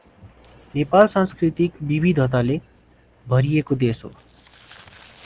नेपाल सांस्कृतिक विविधताले भरिएको देश हो।